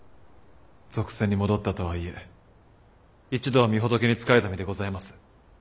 俗世に戻ったとはいえ一度は御仏に仕えた身でございます。